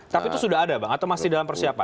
tapi itu sudah ada bang atau masih dalam persiapan